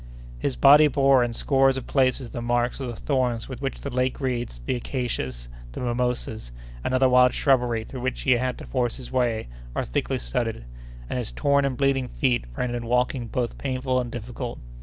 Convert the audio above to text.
His body bore in scores of places the marks of the thorns with which the lake reeds, the acacias, the mimosas, and other wild shrubbery through which he had to force his way, are thickly studded; and his torn and bleeding feet rendered walking both painful and difficult.